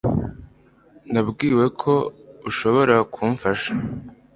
Nabwiwe ko ushobora kumfasha.